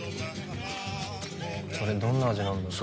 どんな味なんだろう？